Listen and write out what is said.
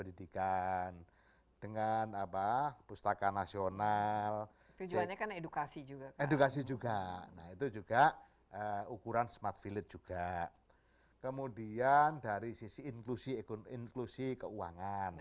jadi kalau saya lihat ini kan juga bagian dari gosdgs itu kan